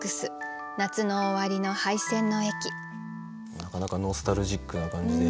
なかなかノスタルジックな感じで。